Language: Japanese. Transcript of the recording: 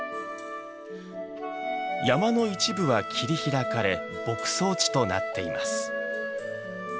山の一部は切り開かれ牧草地となっています。